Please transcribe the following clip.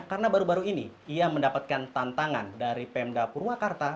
karena baru baru ini ia mendapatkan tantangan dari pmd purwakarta